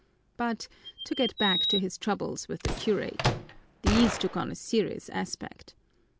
But to get back to his troubles with the curate these took on a serious aspect.